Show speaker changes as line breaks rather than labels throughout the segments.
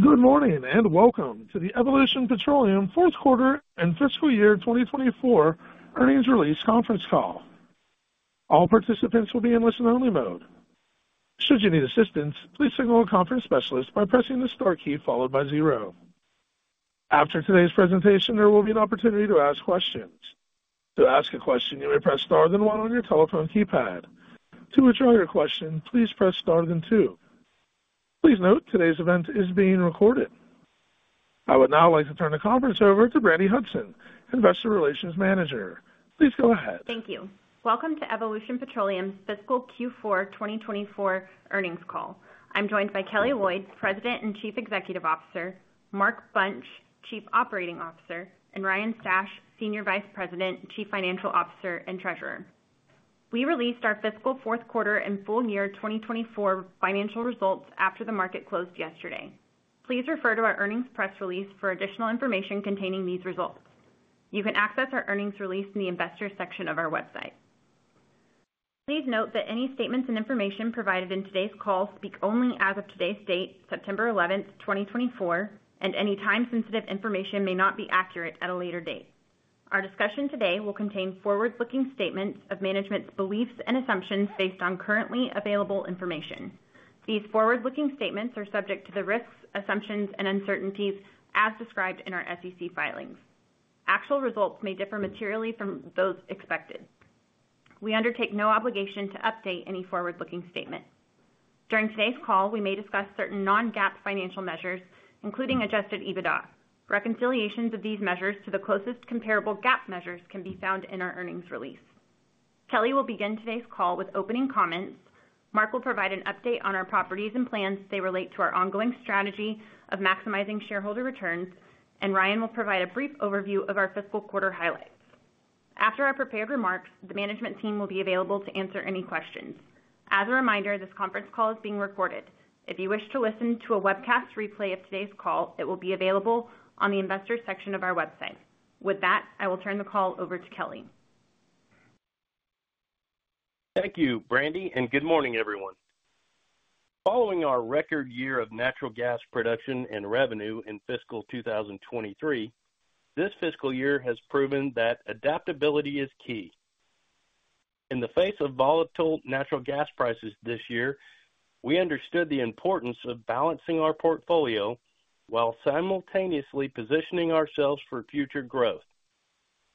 Good morning, and welcome to the Evolution Petroleum Fourth Quarter and Fiscal Year 2024 Earnings Release Conference Call. All participants will be in listen-only mode. Should you need assistance, please signal a conference specialist by pressing the star key followed by zero. After today's presentation, there will be an opportunity to ask questions. To ask a question, you may press star then one on your telephone keypad. To withdraw your question, please press Star then two. Please note, today's event is being recorded. I would now like to turn the conference over to Brandi Hudson, Investor Relations Manager. Please go ahead.
Thank you. Welcome to Evolution Petroleum's Fiscal Q4 2024 Earnings Call. I'm joined by Kelly Loyd, President and Chief Executive Officer, Mark Bunch, Chief Operating Officer, and Ryan Stash, Senior Vice President and Chief Financial Officer and Treasurer. We released our fiscal fourth quarter and full-year 2024 financial results after the market closed yesterday. Please refer to our earnings press release for additional information containing these results. You can access our earnings release in the Investors section of our website. Please note that any statements and information provided in today's call speak only as of today's date, September 11th, 2024, and any time-sensitive information may not be accurate at a later date. Our discussion today will contain forward-looking statements of management's beliefs and assumptions based on currently available information. These forward-looking statements are subject to the risks, assumptions, and uncertainties as described in our SEC filings. Actual results may differ materially from those expected. We undertake no obligation to update any forward-looking statement. During today's call, we may discuss certain non-GAAP financial measures, including adjusted EBITDA. Reconciliations of these measures to the closest comparable GAAP measures can be found in our earnings release. Kelly will begin today's call with opening comments, Mark will provide an update on our properties and plans as they relate to our ongoing strategy of maximizing shareholder returns, and Ryan will provide a brief overview of our fiscal quarter highlights. After our prepared remarks, the management team will be available to answer any questions. As a reminder, this conference call is being recorded. If you wish to listen to a webcast replay of today's call, it will be available on the Investors section of our website. With that, I will turn the call over to Kelly.
Thank you, Brandi, and good morning, everyone. Following our record year of natural gas production and revenue in fiscal 2023, this fiscal year has proven that adaptability is key. In the face of volatile natural gas prices this year, we understood the importance of balancing our portfolio while simultaneously positioning ourselves for future growth.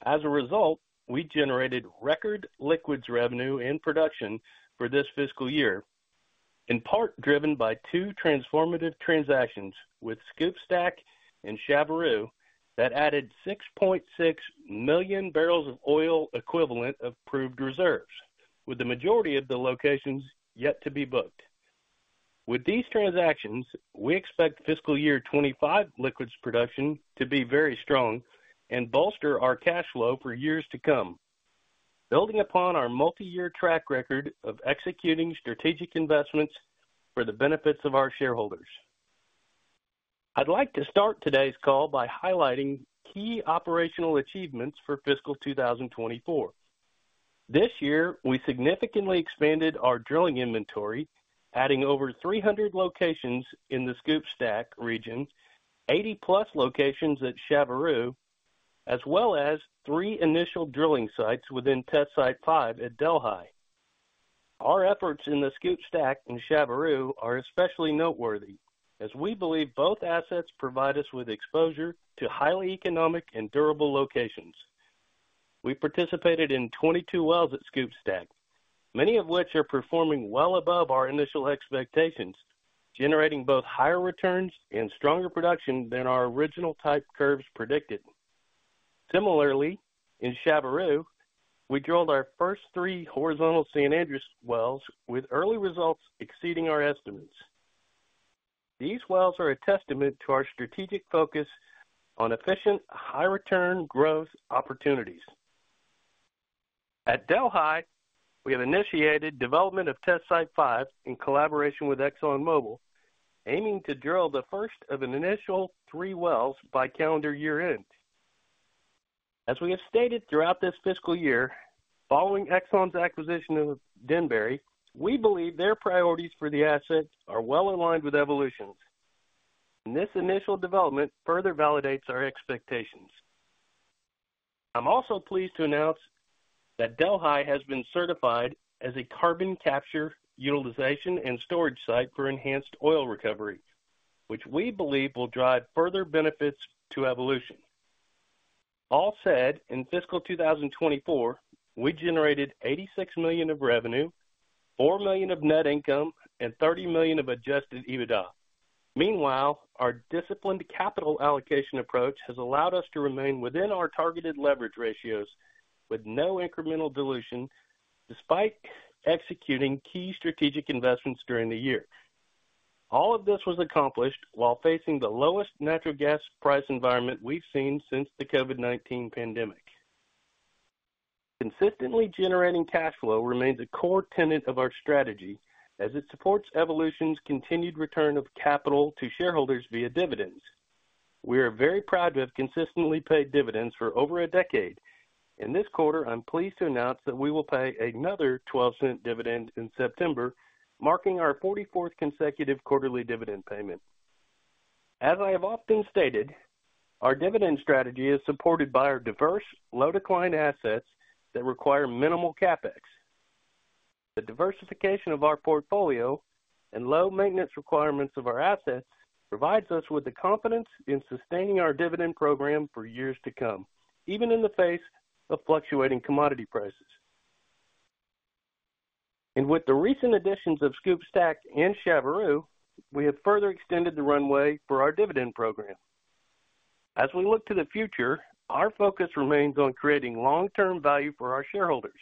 As a result, we generated record liquids revenue and production for this fiscal year, in part driven by two transformative transactions with SCOOP/STACK and Chaveroo that added 6.6 million barrels of oil equivalent of proved reserves, with the majority of the locations yet to be booked. With these transactions, we expect fiscal year 2025 liquids production to be very strong and bolster our cash flow for years to come, building upon our multi-year track record of executing strategic investments for the benefits of our shareholders. I'd like to start today's call by highlighting key operational achievements for fiscal 2024. This year, we significantly expanded our drilling inventory, adding over 300 locations in the SCOOP/STACK region, 80+ locations at Chaveroo, as well as three initial drilling sites within Test Site 5 at Delhi. Our efforts in the SCOOP/STACK and Chaveroo are especially noteworthy, as we believe both assets provide us with exposure to highly economic and durable locations. We participated in 22 wells at SCOOP/STACK, many of which are performing well above our initial expectations, generating both higher returns and stronger production than our original type curves predicted. Similarly, in Chaveroo, we drilled our first three horizontal San Andres wells, with early results exceeding our estimates. These wells are a testament to our strategic focus on efficient, high return growth opportunities. At Delhi, we have initiated development of Test Site 5 in collaboration with ExxonMobil, aiming to drill the first of an initial three wells by calendar year-end. As we have stated throughout this fiscal year, following Exxon's acquisition of Denbury, we believe their priorities for the asset are well aligned with Evolution's, and this initial development further validates our expectations. I'm also pleased to announce that Delhi has been certified as a carbon capture, utilization, and storage site for enhanced oil recovery, which we believe will drive further benefits to Evolution. All said, in fiscal 2024, we generated $86 million of revenue, $4 million of net income, and $30 million of adjusted EBITDA. Meanwhile, our disciplined capital allocation approach has allowed us to remain within our targeted leverage ratios with no incremental dilution, despite executing key strategic investments during the year. All of this was accomplished while facing the lowest natural gas price environment we've seen since the COVID-19 pandemic. Consistently generating cash flow remains a core tenet of our strategy as it supports Evolution's continued return of capital to shareholders via dividends. We are very proud to have consistently paid dividends for over a decade. In this quarter, I'm pleased to announce that we will pay another $0.12 dividend in September, marking our 44th consecutive quarterly dividend payment. As I have often stated, our dividend strategy is supported by our diverse, low-decline assets that require minimal CapEx. The diversification of our portfolio and low maintenance requirements of our assets provides us with the confidence in sustaining our dividend program for years to come, even in the face of fluctuating commodity prices. With the recent additions of SCOOP/STACK and Chaveroo, we have further extended the runway for our dividend program. As we look to the future, our focus remains on creating long-term value for our shareholders.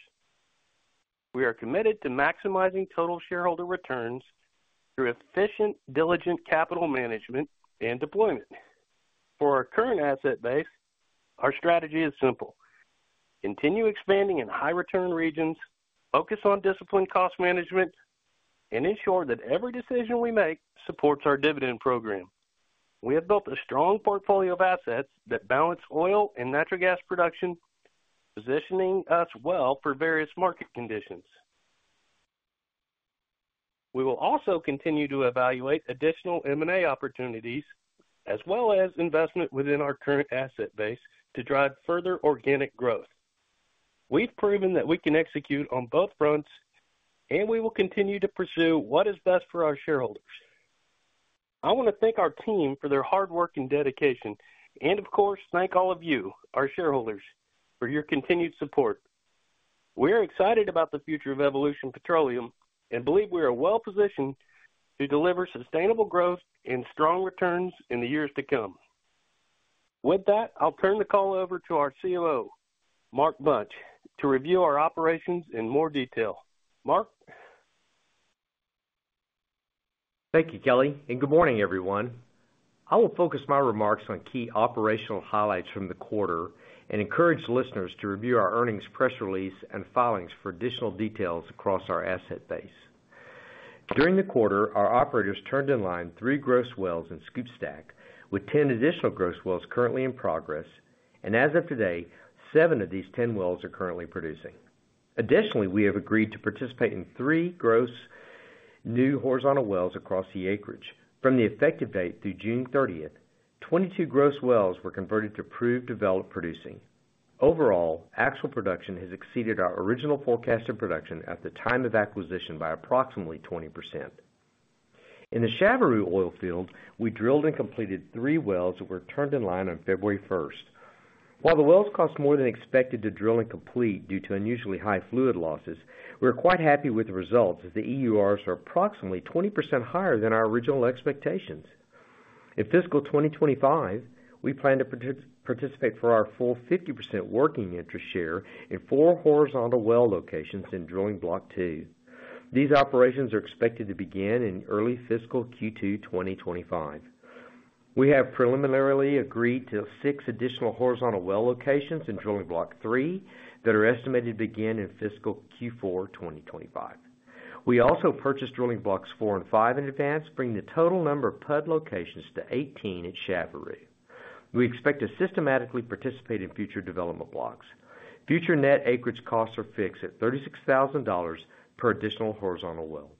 We are committed to maximizing total shareholder returns through efficient, diligent capital management and deployment. For our current asset base, our strategy is simple: continue expanding in high return regions, focus on disciplined cost management, and ensure that every decision we make supports our dividend program. We have built a strong portfolio of assets that balance oil and natural gas production, positioning us well for various market conditions. We will also continue to evaluate additional M&A opportunities, as well as investment within our current asset base to drive further organic growth. We've proven that we can execute on both fronts, and we will continue to pursue what is best for our shareholders. I want to thank our team for their hard work and dedication, and of course, thank all of you, our shareholders, for your continued support. We are excited about the future of Evolution Petroleum, and believe we are well positioned to deliver sustainable growth and strong returns in the years to come. With that, I'll turn the call over to our COO, Mark Bunch, to review our operations in more detail. Mark?
Thank you, Kelly, and good morning, everyone. I will focus my remarks on key operational highlights from the quarter, and encourage listeners to review our earnings, press release, and filings for additional details across our asset base. During the quarter, our operators turned in line three gross wells in SCOOP/STACK, with 10 additional gross wells currently in progress, and as of today, seven of these 10 wells are currently producing. Additionally, we have agreed to participate in three gross new horizontal wells across the acreage. From the effective date through June thirtieth, 22 gross wells were converted to proved developed producing. Overall, actual production has exceeded our original forecasted production at the time of acquisition by approximately 20%. In the Chaveroo Oil Field, we drilled and completed three wells that were turned in line on February 1st. While the wells cost more than expected to drill and complete due to unusually high fluid losses, we're quite happy with the results, as the EURs are approximately 20% higher than our original expectations. In fiscal 2025, we plan to participate for our full 50% working interest share in four horizontal well locations in drilling block 2. These operations are expected to begin in early fiscal Q2 2025. We have preliminarily agreed to six additional horizontal well locations in drilling block 3, that are estimated to begin in fiscal Q4 2025. We also purchased drilling blocks 4 and 5 in advance, bringing the total number of pad locations to 18 at Chaveroo. We expect to systematically participate in future development blocks. Future net acreage costs are fixed at $36,000 per additional horizontal well.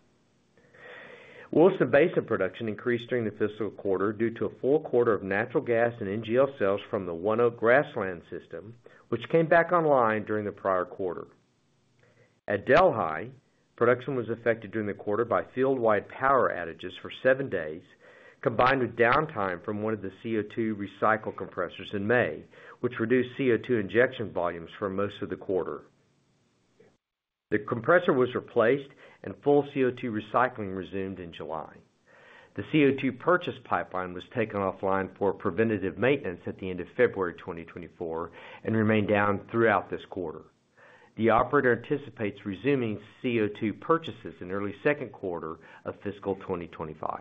Williston Basin production increased during the fiscal quarter due to a full quarter of natural gas and NGL sales from the ONEOK Grasslands system, which came back online during the prior quarter. At Delhi, production was affected during the quarter by field-wide power outages for seven days, combined with downtime from one of the CO2 recycle compressors in May, which reduced CO2 injection volumes for most of the quarter. The compressor was replaced and full CO2 recycling resumed in July. The CO2 purchase pipeline was taken offline for preventative maintenance at the end of February 2024 and remained down throughout this quarter. The operator anticipates resuming CO2 purchases in early second quarter of fiscal 2025.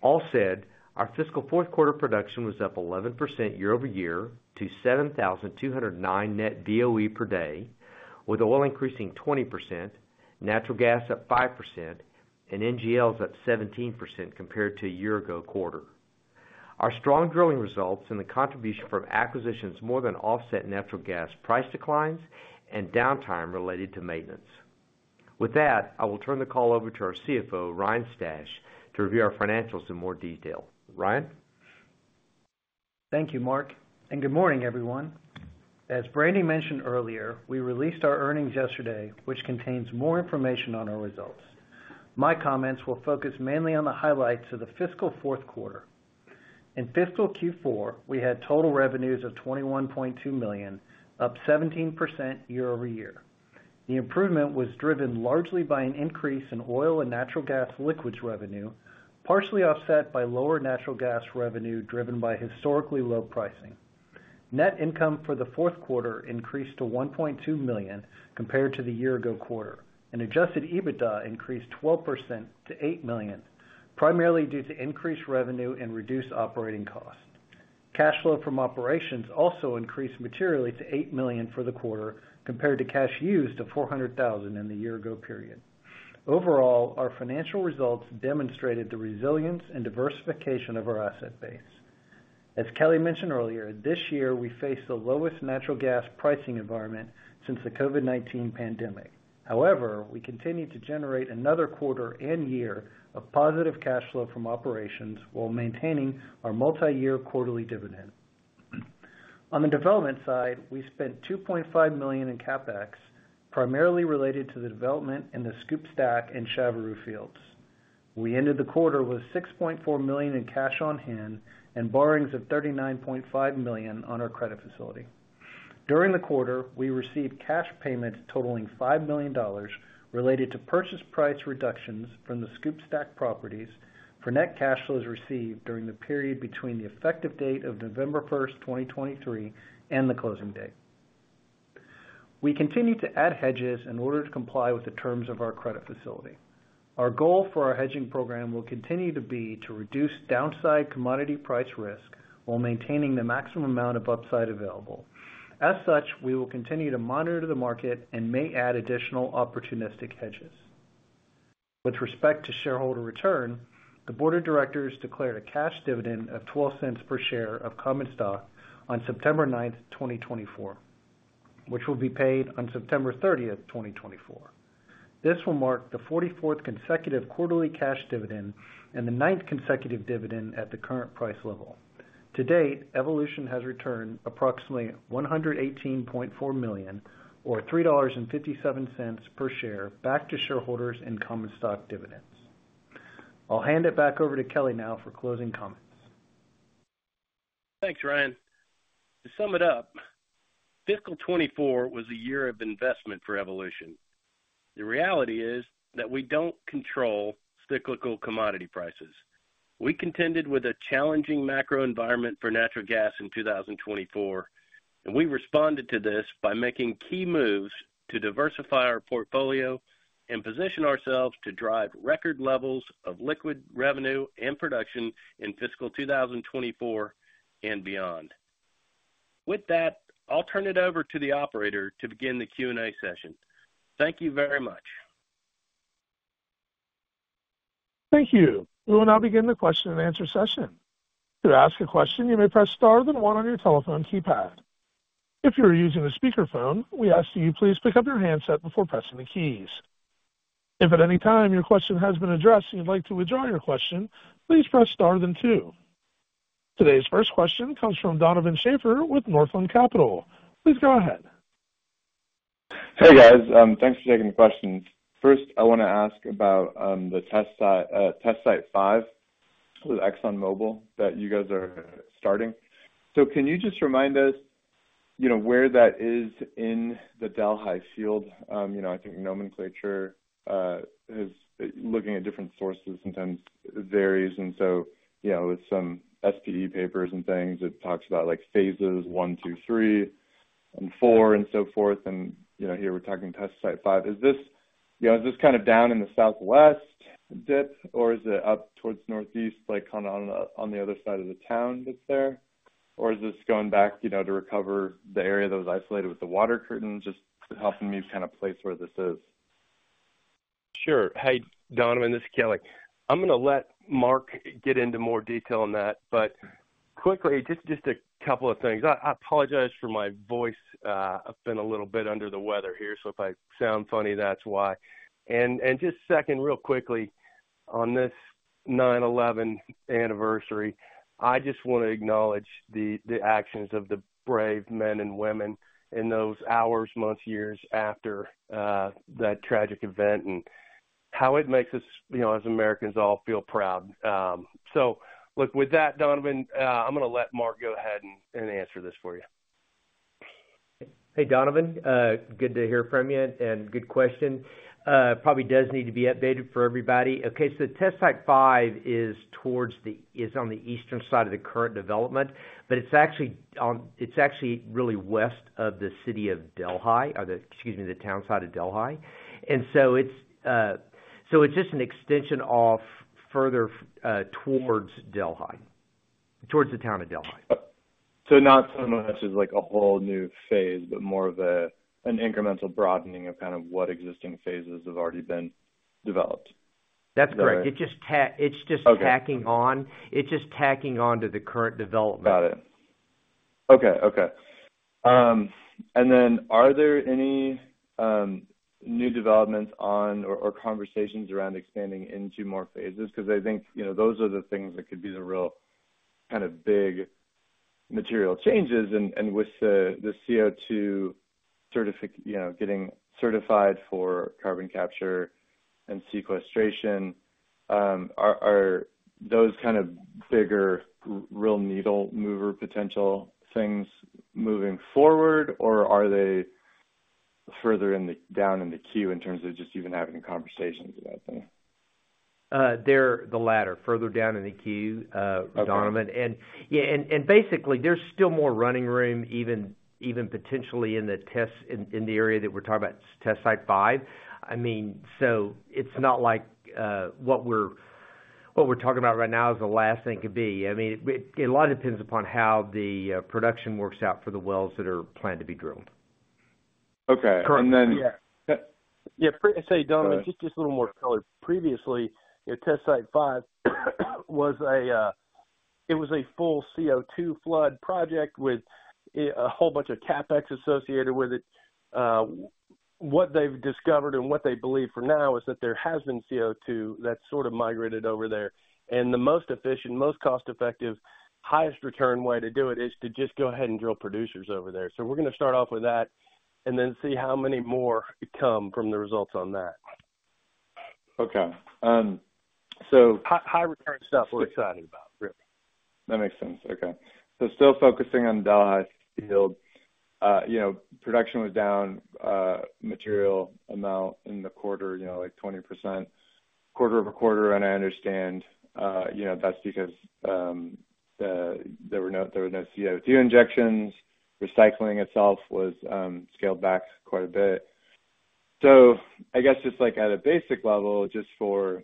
All said, our fiscal fourth quarter production was up 11% year over year to 7,209 net BOE per day, with oil increasing 20%, natural gas up 5%, and NGLs up 17% compared to a year ago quarter. Our strong drilling results and the contribution from acquisitions more than offset natural gas price declines and downtime related to maintenance. With that, I will turn the call over to our CFO, Ryan Stash, to review our financials in more detail. Ryan?
Thank you, Mark, and good morning, everyone. As Brandy mentioned earlier, we released our earnings yesterday, which contains more information on our results. My comments will focus mainly on the highlights of the fiscal fourth quarter. In fiscal Q4, we had total revenues of $21.2 million, up 17% year over year. The improvement was driven largely by an increase in oil and natural gas liquids revenue, partially offset by lower natural gas revenue, driven by historically low pricing. Net income for the fourth quarter increased to $1.2 million compared to the year ago quarter, and Adjusted EBITDA increased 12% to $8 million, primarily due to increased revenue and reduced operating costs. Cash flow from operations also increased materially to $8 million for the quarter, compared to cash used of $400,000 in the year-ago period. Overall, our financial results demonstrated the resilience and diversification of our asset base. As Kelly mentioned earlier, this year, we faced the lowest natural gas pricing environment since the COVID-19 pandemic. However, we continued to generate another quarter and year of positive cash flow from operations while maintaining our multiyear quarterly dividend. On the development side, we spent $2.5 million in CapEx, primarily related to the development in the SCOOP/STACK and Chaveroo Fields. We ended the quarter with $6.4 million in cash on hand and borrowings of $39.5 million on our credit facility. During the quarter, we received cash payment totaling $5 million related to purchase price reductions from the SCOOP/STACK properties for net cash flows received during the period between the effective date of November first, 2023, and the closing date. We continued to add hedges in order to comply with the terms of our credit facility. Our goal for our hedging program will continue to be to reduce downside commodity price risk while maintaining the maximum amount of upside available. As such, we will continue to monitor the market and may add additional opportunistic hedges. With respect to shareholder return, the board of directors declared a cash dividend of $0.12 per share of common stock on September ninth, 2024, which will be paid on September thirtieth, 2024. This will mark the forty-fourth consecutive quarterly cash dividend and the ninth consecutive dividend at the current price level. To date, Evolution has returned approximately $118.4 million, or $3.57 per share, back to shareholders in common stock dividends. I'll hand it back over to Kelly now for closing comments.
Thanks, Ryan. To sum it up, fiscal 2024 was a year of investment for Evolution. The reality is that we don't control cyclical commodity prices. We contended with a challenging macro environment for natural gas in 2024, and we responded to this by making key moves to diversify our portfolio and position ourselves to drive record levels of liquid revenue and production in fiscal 2024 and beyond. With that, I'll turn it over to the operator to begin the Q&A session. Thank you very much.
Thank you. We will now begin the question-and-answer session. To ask a question, you may press star then one on your telephone keypad. If you are using a speakerphone, we ask that you please pick up your handset before pressing the keys. If at any time your question has been addressed and you'd like to withdraw your question, please press star then two. Today's first question comes from Donovan Schafer with Northland Capital. Please go ahead.
Hey, guys. Thanks for taking the questions. First, I wanna ask about the Test Site 5 with ExxonMobil that you guys are starting. So can you just remind us, you know, where that is in the Delhi Field? You know, I think nomenclature is looking at different sources, sometimes it varies, and so, you know, with some SPE papers and things, it talks about, like, phases I, II, III, and IV and so forth, and, you know, here we're talking Test Site 5. Is this, you know, is this kind of down in the southwest dip, or is it up towards northeast, like, kinda on the other side of the town that's there? Or is this going back, you know, to recover the area that was isolated with the water curtain? Just helping me kind of place where this is.
Sure. Hey, Donovan, this is Kelly. I'm gonna let Mark get into more detail on that, but quickly, just a couple of things. I apologize for my voice. I've been a little bit under the weather here, so if I sound funny, that's why. And just second, real quickly, on this 9/11 anniversary, I just wanna acknowledge the actions of the brave men and women in those hours, months, years after that tragic event and how it makes us, you know, as Americans, all feel proud. So look, with that, Donovan, I'm gonna let Mark go ahead and answer this for you.
Hey, Donovan, good to hear from you and good question. Probably does need to be updated for everybody. Okay, so Test Site 5 is on the eastern side of the current development, but it's actually really west of the city of Delhi, or the, excuse me, the town side of Delhi. And so it's just an extension off further towards Delhi, towards the town of Delhi.
Not so much as, like, a whole new phase, but more of an incremental broadening of kind of what existing phases have already been developed.
That's correct.
Okay.
It's just tacking on to the current development.
Got it. Okay, okay. And then are there any new developments on or conversations around expanding into more phases? Because I think, you know, those are the things that could be the real kind of big material changes, and with the CO2 certification. You know, getting certified for carbon capture and sequestration, are those kind of bigger, real needle mover potential things moving forward, or are they further down in the queue in terms of just even having conversations about them?
They're the latter, further down in the queue, Donovan. Yeah, basically, there's still more running room, even potentially in the test, in the area that we're talking about, Test Site 5. I mean, so it's not like what we're talking about right now is the last thing it could be. I mean, a lot depends upon how the production works out for the wells that are planned to be drilled.
Yeah. Yeah, hey, Donovan, just a little more color. Previously, your Test Site 5 was a full CO2 flood project with a whole bunch of CapEx associated with it. What they've discovered and what they believe for now is that there has been CO2 that sort of migrated over there, and the most efficient, most cost-effective, highest return way to do it is to just go ahead and drill producers over there. So we're gonna start off with that, and then see how many more come from the results on that. High, high return stuff we're excited about, really.
That makes sense. Okay. So still focusing on Delhi Field, you know, production was down material amount in the quarter, you know, like 20%, quarter over quarter, and I understand, you know, that's because there were no CO2 injections. Recycling itself was scaled back quite a bit. So I guess just like at a basic level, just for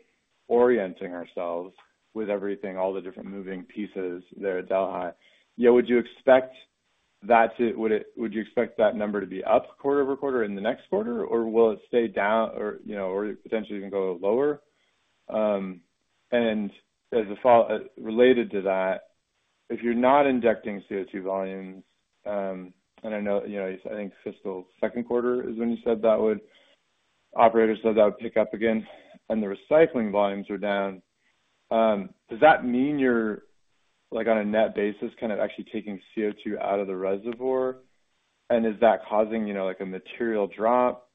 orienting ourselves with everything, all the different moving pieces there at Delhi, yeah, would you expect that number to be up quarter over quarter in the next quarter, or will it stay down or, you know, or potentially even go lower? And as a follow up, related to that, if you're not injecting CO2 volumes, and I know, you know, I think fiscal second quarter is when you said that operators said that would pick up again, and the recycling volumes are down. Does that mean you're, like, on a net basis, kind of actually taking CO2 out of the reservoir? And is that causing, you know, like, a material drop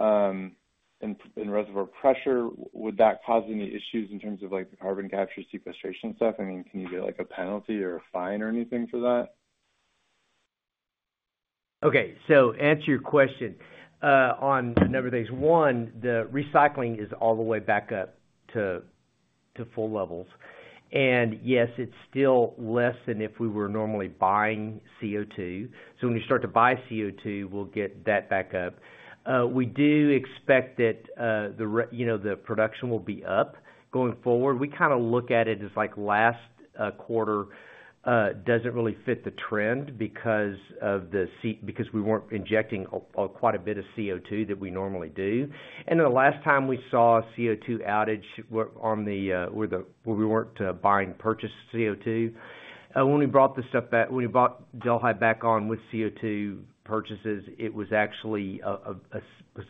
in reservoir pressure? Would that cause any issues in terms of, like, carbon capture sequestration stuff? I mean, can you get, like, a penalty or a fine or anything for that?
Okay, so answer your question on a number of things. One, the recycling is all the way back up to full levels, and yes, it's still less than if we were normally buying CO2. So when we start to buy CO2, we'll get that back up. We do expect that you know, the production will be up going forward. We kinda look at it as like last quarter doesn't really fit the trend because we weren't injecting quite a bit of CO2 that we normally do. And the last time we saw CO2 outage was when we weren't buying purchased CO2. When we brought Delhi back on with CO2 purchases, it was actually a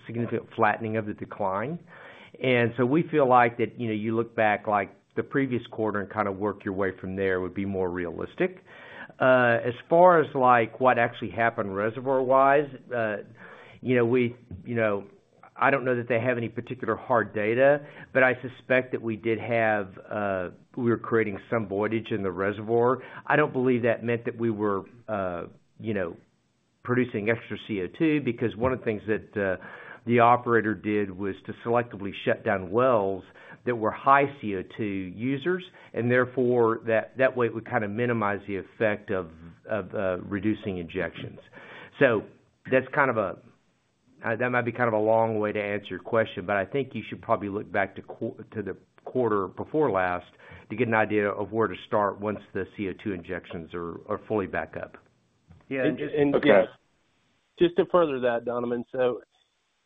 significant flattening of the decline. And so we feel like that, you know, you look back like the previous quarter and kind of work your way from there would be more realistic. As far as, like, what actually happened reservoir-wise, you know, we, you know, I don't know that they have any particular hard data, but I suspect that we did have, we were creating some voidage in the reservoir. I don't believe that meant that we were, you know, producing extra CO2, because one of the things that, the operator did was to selectively shut down wells that were high CO2 users, and therefore, that, that way, it would kind of minimize the effect of, of, reducing injections. That might be kind of a long way to answer your question, but I think you should probably look back to the quarter before last to get an idea of where to start once the CO2 injections are fully back up.
Yeah, and just to further that, Donovan,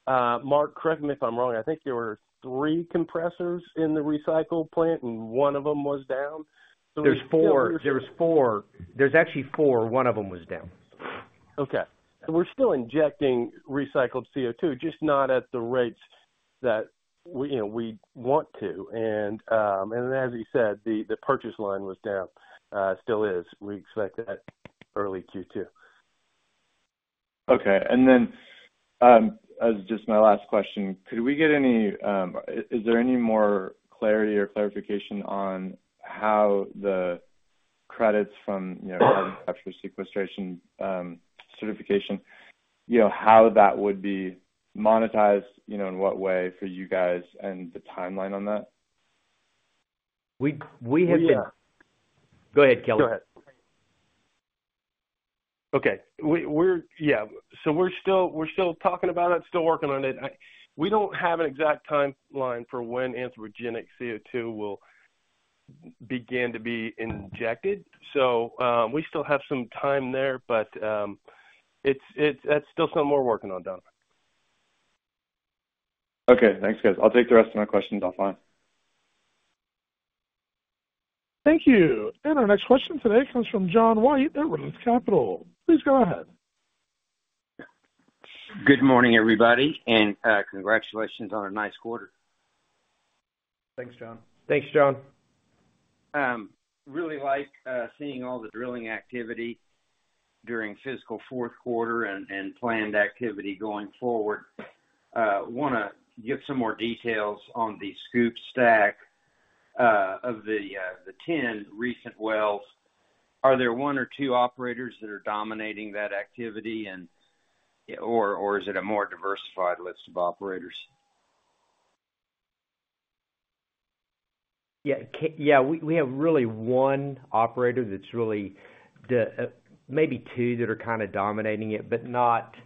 so Mark, correct me if I'm wrong, I think there were three compressors in the recycle plant, and one of them was down?
There's four. There was four. There's actually four. One of them was down.
Okay. We're still injecting recycled CO2, just not at the rates that we, you know, we want to. And as you said, the purchase line was down, still is. We expect that early Q2.
Okay. And then, as just my last question, is there any more clarity or clarification on how the credits from, you know, capture sequestration, certification, you know, how that would be monetized, you know, in what way for you guys and the timeline on that?
Go ahead, Kelly.
Go ahead. Okay. We're still talking about it, still working on it. We don't have an exact timeline for when anthropogenic CO2 will begin to be injected, so we still have some time there, but that's still something we're working on, Donovan.
Okay. Thanks, guys. I'll take the rest of my questions offline.
Thank you. And our next question today comes from John White at Roth Capital. Please go ahead.
Good morning, everybody, and congratulations on a nice quarter.
Thanks, John.
Thanks, John.
Really like seeing all the drilling activity during fiscal fourth quarter and planned activity going forward. Wanna get some more details on the SCOOP/STACK of the 10 recent wells. Are there one or two operators that are dominating that activity, and or is it a more diversified list of operators?
Yeah, yeah, we have really one operator that's really the maybe two that are kinda dominating it, but not,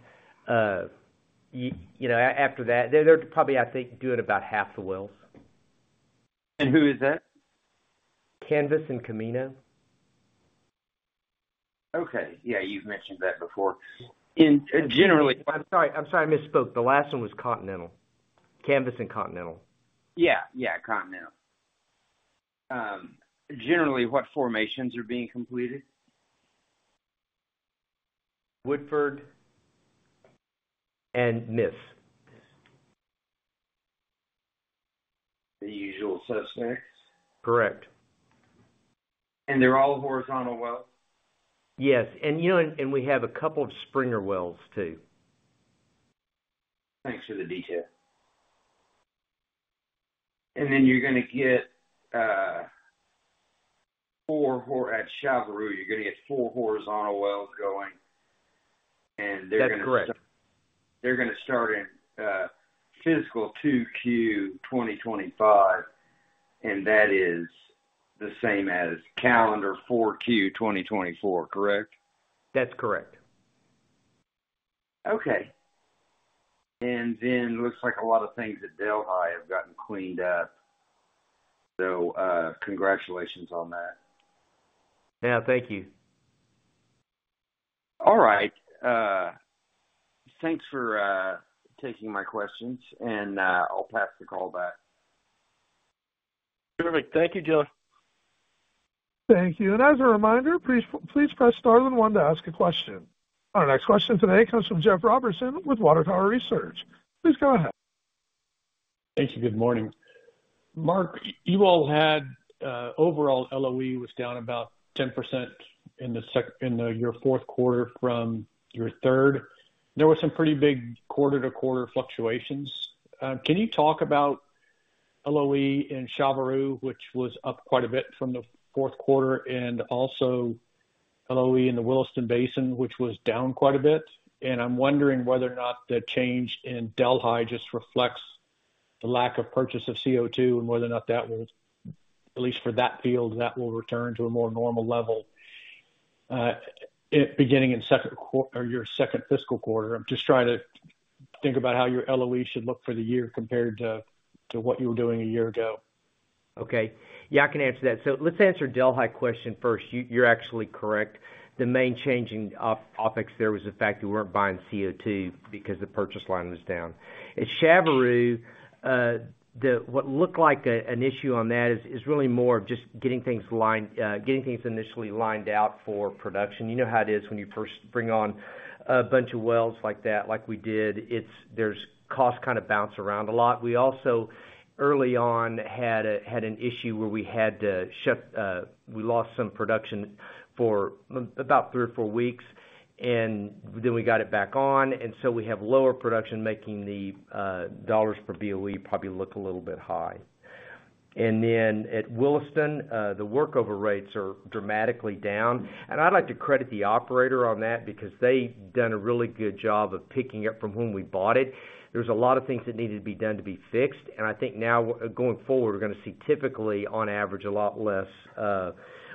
you know, after that, they're probably, I think, doing about half the wells.
Who is that?
Canvas and Camino. Okay. Yeah, you've mentioned that before. I'm sorry, I'm sorry, I misspoke. The last one was Continental. Canvas and Continental.
Yeah. Yeah, Continental. Generally, what formations are being completed?
Woodford and Miss.
The usual suspects?
Correct.
They're all horizontal wells?
Yes, you know, and we have a couple of Springer wells, too.
Thanks for the detail. And then you're gonna get four horizontal wells going. They're gonna start in fiscal 2Q 2025, and that is the same as calendar 4Q 2024, correct?
That's correct.
Okay. And then looks like a lot of things at Delhi have gotten cleaned up. So, congratulations on that.
Yeah, thank you.
All right, thanks for taking my questions, and I'll pass the call back.
Perfect. Thank you, Joe.
Thank you. And as a reminder, please, please press star and one to ask a question. Our next question today comes from Jeff Robertson with Water Tower Research. Please go ahead.
Thank you. Good morning. Mark, you all had, overall, LOE was down about 10% in your fourth quarter from your third. There were some pretty big quarter-to-quarter fluctuations. Can you talk about LOE in Chaveroo, which was up quite a bit from the fourth quarter, and also LOE in the Williston Basin, which was down quite a bit? I'm wondering whether or not the change in Delhi just reflects the lack of purchase of CO2 and whether or not that will, at least for that field, that will return to a more normal level, beginning in second quarter or your second fiscal quarter. I'm just trying to think about how your LOE should look for the year compared to what you were doing a year ago.
Okay. Yeah, I can answer that, so let's answer Delhi question first. You're actually correct. The main change in OpEx there was the fact we weren't buying CO2 because the purchase line was down. At Chaveroo, what looked like an issue on that is really more of just getting things lined, getting things initially lined out for production. You know how it is when you first bring on a bunch of wells like that, like we did. There's costs kind of bounce around a lot. We also, early on, had an issue where we had to shut. We lost some production for about three or four weeks, and then we got it back on, and so we have lower production, making the dollars per BOE probably look a little bit high. And then at Williston, the workover rates are dramatically down, and I'd like to credit the operator on that because they've done a really good job of picking up from whom we bought it. There's a lot of things that needed to be done to be fixed, and I think now, going forward, we're gonna see typically, on average, a lot less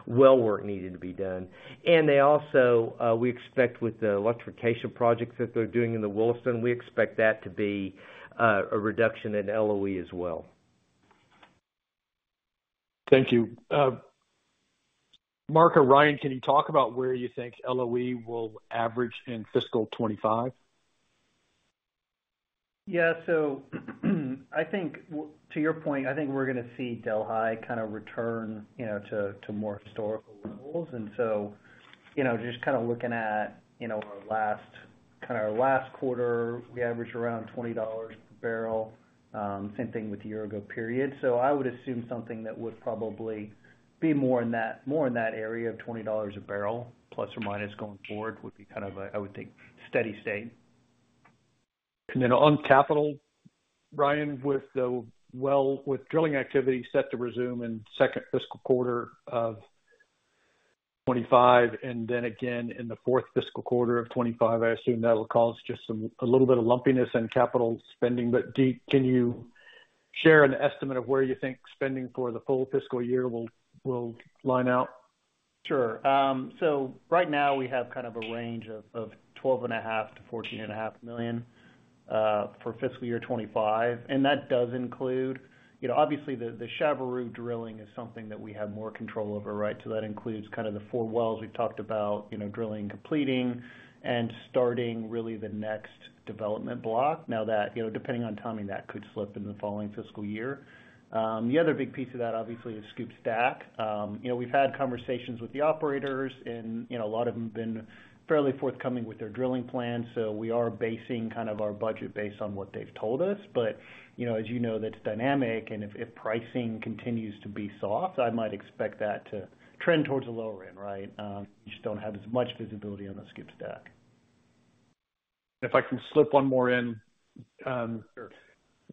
well work needed to be done. And they also, we expect with the electrification projects that they're doing in the Williston, we expect that to be a reduction in LOE as well.
Thank you. Mark or Ryan, can you talk about where you think LOE will average in fiscal 2025?
Yeah, so, I think, to your point, I think we're gonna see Delhi kinda return, you know, to, to more historical levels, and so, you know, just kinda looking at, you know, our last, kinda our last quarter, we averaged around $20 per barrel. Same thing with the year ago period. So I would assume something that would probably be more in that, more in that area of $20 a barrel ±, going forward, would be kind of a, I would think, steady state.
And then on capital, Ryan, with the well, with drilling activity set to resume in second fiscal quarter of 2025, and then again in the fourth fiscal quarter of 2025, I assume that will cause just some, a little bit of lumpiness in capital spending, but can you share an estimate of where you think spending for the full fiscal year will line out?
Sure. So right now we have kind of a range of $12.5 million-$14.5 million for fiscal year 2025. And that does include. You know, obviously, the Chaveroo drilling is something that we have more control over, right? So that includes kind of the four wells we've talked about, you know, drilling, completing, and starting really the next development block. Now that, you know, depending on timing, that could slip into the following fiscal year. The other big piece of that, obviously, is SCOOP/STACK. You know, we've had conversations with the operators, and, you know, a lot of them have been fairly forthcoming with their drilling plans, so we are basing kind of our budget based on what they've told us. But, you know, as you know, that's dynamic, and if pricing continues to be soft, I might expect that to trend towards the lower end, right? You just don't have as much visibility on the SCOOP/STACK.
If I can slip one more in,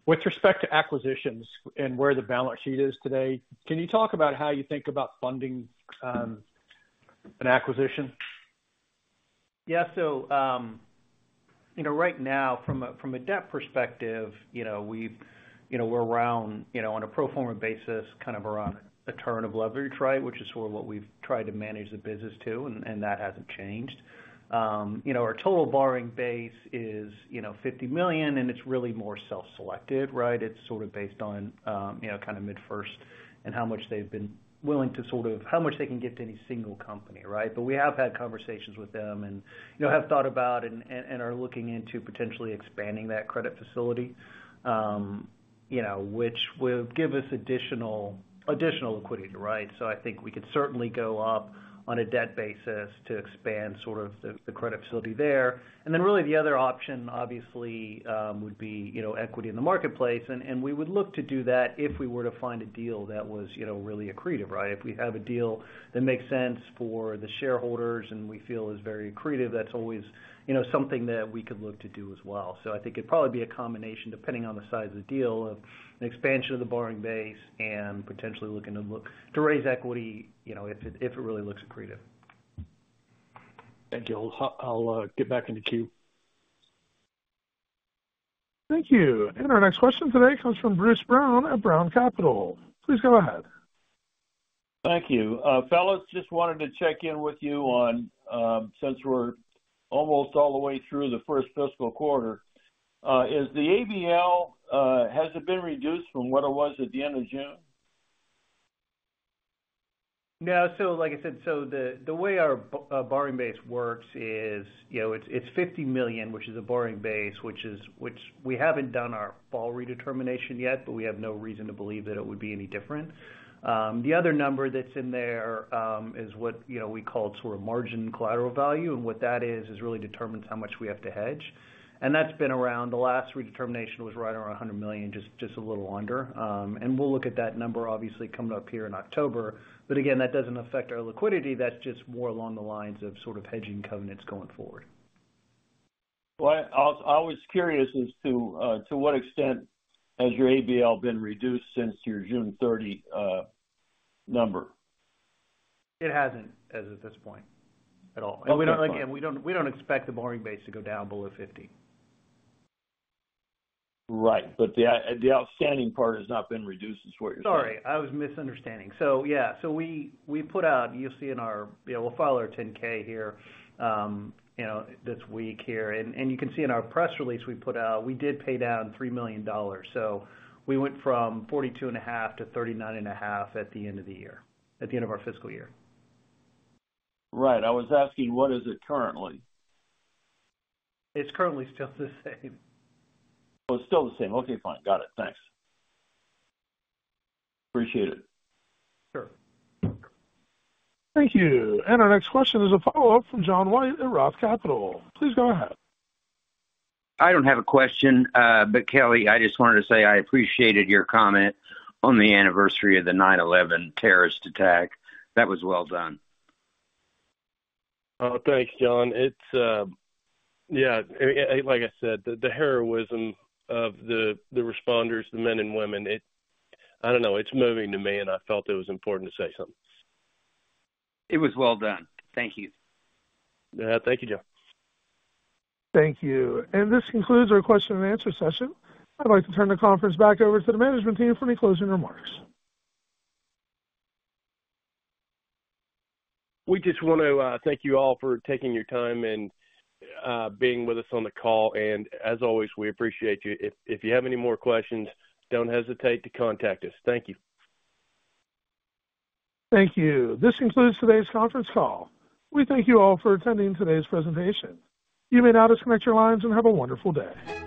with respect to acquisitions and where the balance sheet is today, can you talk about how you think about funding, an acquisition?
Yeah. So, you know, right now, from a debt perspective, you know, we've, you know, we're around, you know, on a pro forma basis, kind of around a turn of leverage, right? Which is sort of what we've tried to manage the business to, and that hasn't changed. You know, our total borrowing base is, you know, $50 million, and it's really more self-selected, right? It's sort of based on, you know, kind of MidFirst and how much they've been willing to sort of how much they can give to any single company, right? But we have had conversations with them and, you know, have thought about and are looking into potentially expanding that credit facility, you know, which will give us additional liquidity, right? So I think we could certainly go up on a debt basis to expand sort of the credit facility there. And then really, the other option, obviously, would be, you know, equity in the marketplace, and we would look to do that if we were to find a deal that was, you know, really accretive, right? If we have a deal that makes sense for the shareholders and we feel is very accretive, that's always, you know, something that we could look to do as well. So I think it'd probably be a combination, depending on the size of the deal, of an expansion of the borrowing base and potentially looking to raise equity, you know, if it really looks accretive.
Thank you. I'll get back in the queue.
Thank you. And our next question today comes from Bruce Brown at Brown Capital. Please go ahead.
Thank you. Fellas, just wanted to check in with you on, since we're almost all the way through the first fiscal quarter, is the ABL, has it been reduced from what it was at the end of June?
No. So like I said, so the way our borrowing base works is, you know, it's $50 million, which is a borrowing base, which we haven't done our fall redetermination yet, but we have no reason to believe that it would be any different. The other number that's in there is what, you know, we call sort of margin collateral value, and what that is really determines how much we have to hedge. And that's been around. The last redetermination was right around $100 million, just a little under. And we'll look at that number, obviously, coming up here in October. But again, that doesn't affect our liquidity. That's just more along the lines of sort of hedging covenants going forward.
I was curious as to to what extent has your ABL been reduced since your June thirty number?
It hasn't, as of this point, at all.
Okay, fine.
We don't, again, expect the borrowing base to go down below 50.
Right. But the outstanding part has not been reduced is what you're saying?
Sorry, I was misunderstanding. We'll file our 10-K here, you know, this week here. And, and you can see in our press release we put out, we did pay down $3 million. So we went from $42.5 million to $39.5 million at the end of the year, at the end of our fiscal year.
Right. I was asking, what is it currently?
It's currently still the same.
Oh, it's still the same. Okay, fine. Got it. Thanks. Appreciate it.
Sure.
Thank you. And our next question is a follow-up from John White at Roth Capital. Please go ahead.
I don't have a question, but Kelly, I just wanted to say I appreciated your comment on the anniversary of the 9/11 terrorist attack. That was well done.
Oh, thanks, John. It's like I said, the heroism of the responders, the men and women, it's moving to me, and I felt it was important to say something.
It was well done. Thank you.
Thank you, John.
Thank you. And this concludes our question and answer session. I'd like to turn the conference back over to the management team for any closing remarks.
We just want to thank you all for taking your time and being with us on the call, and as always, we appreciate you. If you have any more questions, don't hesitate to contact us. Thank you.
Thank you. This concludes today's conference call. We thank you all for attending today's presentation. You may now disconnect your lines, and have a wonderful day.